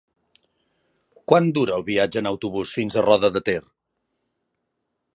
Quant dura el viatge en autobús fins a Roda de Ter?